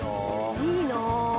いいなあ。